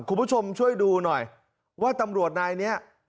คุณผู้ชมช่วยดูหน่อยว่าตำรวจนายนี้